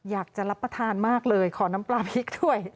อยากจะรับประทานมากเลยขอน้ำปลาพริกด้วย